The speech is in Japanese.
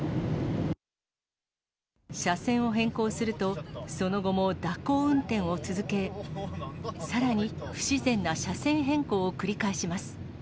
車線を変更すると、その後も蛇行運転を続け、さらに不自然な車線変更を繰り返します。